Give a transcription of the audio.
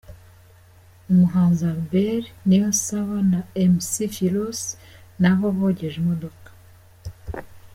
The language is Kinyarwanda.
Umuhanzi Albert Niyonsaba na Mc Philos nabo bogeje imodoka.